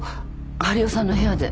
治代さんの部屋で。